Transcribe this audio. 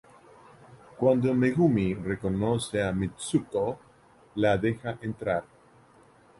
Cuando Megumi reconoce a Mitsuko, la deja entrar.